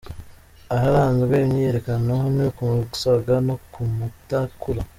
Aharanzwe imyiyerekeno ni ku Musaga no ku Mutakura.